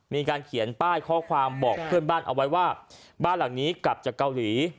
มีการเขียนป้ายข้อความบอกเพื่อนบ้านเอาไว้ว่าบ้านหลังนี้กลับจากเกาหลี